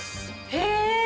へえ！